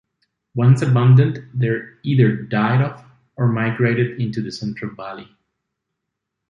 Once abundant, they either died off or migrated into the Central Valley.